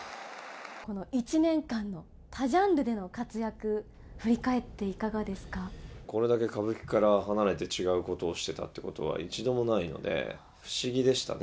この１年間の多ジャンルでのこれだけ歌舞伎から離れて違うことをしていたってことは一度もないので、不思議でしたね。